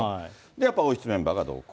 やっぱり王室メンバーが同行。